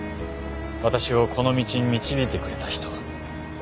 私をこの道に導いてくれた人。